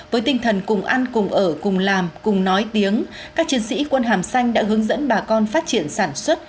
với tinh thần cùng ăn cùng ở cùng làm cùng nói tiếng các chiến sĩ quân hàm xanh đã hướng dẫn bà con phát triển sản xuất